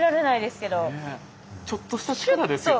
ちょっとした力ですよね。